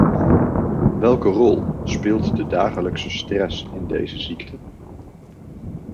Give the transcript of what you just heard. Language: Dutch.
Welke rol speelt de dagelijkse stress in deze ziekte?